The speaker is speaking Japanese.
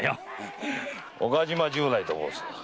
岡島十内と申す。